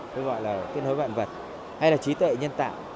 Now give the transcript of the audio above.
cái gọi là kết nối vạn vật hay là trí tuệ nhân tạo